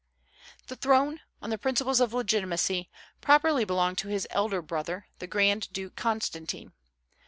The throne, on the principles of legitimacy, properly belonged to his elder brother, the Grand Duke Constantine.